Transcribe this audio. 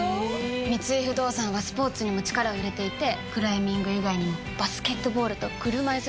三井不動産はスポーツにも力を入れていてクライミング以外にもバスケットボールと車いすラグビーを応援しているの